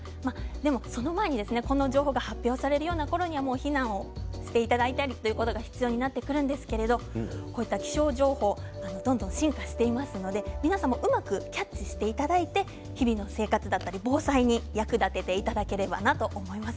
その前に、この情報が発表されるようなのころには避難をしていただいたりということが必要になってくるんですけれどもこういった気象情報どんどん進化していますので皆さんもうまくキャッチしていただいて日々の生活や防災に役立てていただければと思います。